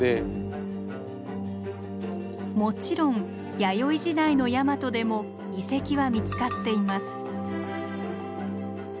もちろん弥生時代のヤマトでも遺跡は見つかっています。